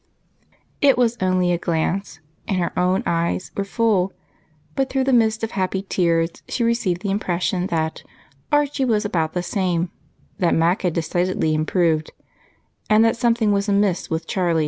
It was only a glance, and her own eyes were full, but through the mist of happy tears she received the impression that Archie was about the same, that Mac had decidedly improved, and that something was amiss with Charlie.